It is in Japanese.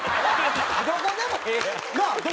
どこでもええやん。